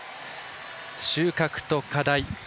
収穫と課題。